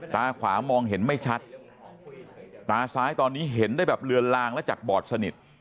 ตาขวามองเห็นไม่ชัดตาซ้ายตอนนี้เห็นได้แบบเลือนลางและจากบอดสนิท